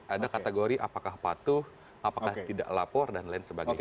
ada kategori apakah patuh apakah tidak lapor dan lain sebagainya